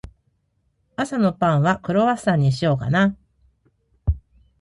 朝のパンは、クロワッサンにしようかな。